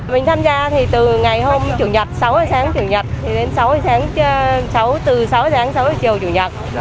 mình tham gia thì từ ngày hôm chủ nhật sáu h sáng chủ nhật đến sáu h sáng từ sáu h sáng đến sáu h chiều chủ nhật